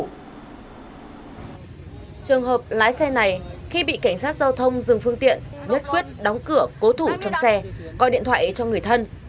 trường hợp lái xe này khi bị cảnh sát giao thông dừng phương tiện nhất quyết đóng cửa cố thủ trong xe coi điện thoại cho người thân